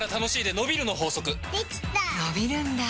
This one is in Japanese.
のびるんだ